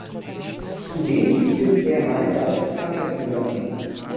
Zudem bietet Air Malta auch Charterflüge an.